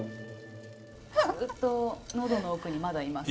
ずっと喉の奥にまだいます。